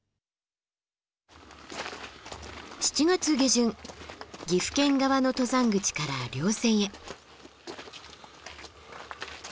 ７月下旬岐阜県側の登山口から稜線へ。